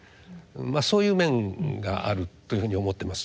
そういう面があるというふうに思ってます。